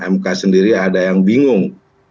mk sendiri ada yang bingung